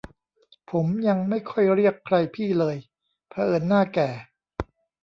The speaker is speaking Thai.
ผม ยังไม่ค่อยเรียกใครพี่เลย เผอิญหน้าแก่